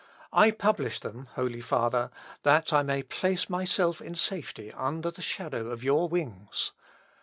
I publish them, Holy Father, that I may place myself in safety under the shadow of your wings.